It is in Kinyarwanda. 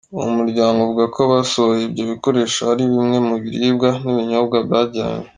Uwo muryango uvuga ko abasohoye ibyo bikoresho hari bimwe mu biribwa n’ibinyobwa bajyanye.